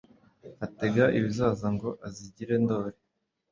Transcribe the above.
Atega ibizaza Ngo azigire Ndoli,